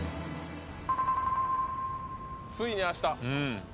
ついに明日！